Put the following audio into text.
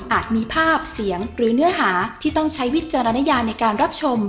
มีภาพเสียงหรือเนื้อหาที่ต้องใช้วิจารณญาในการรับชม